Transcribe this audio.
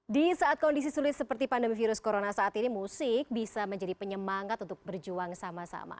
di saat kondisi sulit seperti pandemi virus corona saat ini musik bisa menjadi penyemangat untuk berjuang sama sama